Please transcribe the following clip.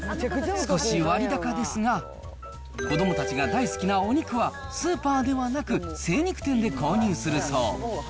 少し割高ですが、子どもたちが大好きなお肉は、スーパーではなく精肉店で購入するそう。